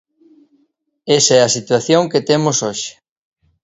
Esa é a situación que temos hoxe.